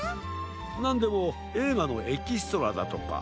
なんでもえいがのエキストラだとか。